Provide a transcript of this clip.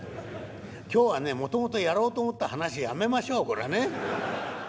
きょうはね、もともとやろうと思った話やめましょう、これはね。